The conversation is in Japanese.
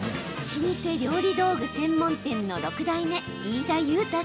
老舗料理道具専門店の６代目飯田結太さん。